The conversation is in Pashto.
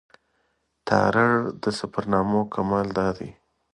تارړ د سفرنامو کمال دا دی.